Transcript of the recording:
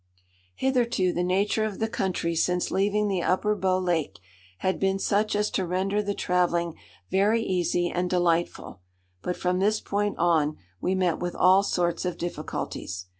Hitherto the nature of the country since leaving the Upper Bow Lake had been such as to render the travelling very easy and delightful, but from this point on, we met with all sorts of difficulties.